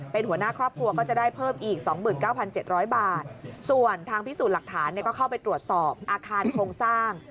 เป็นหัวหน้าครอบครัวก็จะได้เพิ่มอีก๒๙๗๐๐บาทส่วนทางพิสูจน์หลักฐานก็เข้าไปตรวจสอบอาคารโครงสร้าง